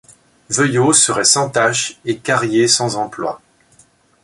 Veuillot serait sans tâche et Carrier sans emploi